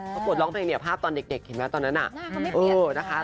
ประกวดร้องเพลงเนี่ยภาพตอนเด็กเห็นไหมตอนนั้นน่ะเออนะคะ